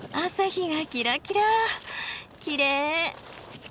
きれい。